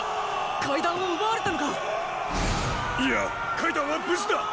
階段を奪われたのか⁉いやっ階段は無事だ！